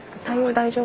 大丈夫。